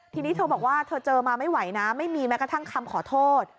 ทีนี้เธอบอกว่าเธอเจอมาไม่ไหวนะไม่มีแม้กระทั่งคำขอโทษ